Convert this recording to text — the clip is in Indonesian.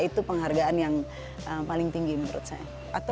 itu penghargaan yang paling tinggi menurut saya